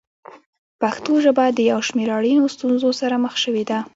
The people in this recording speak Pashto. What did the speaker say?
پښتو ژبه د یو شمېر اړینو ستونزو سره مخ شوې ده.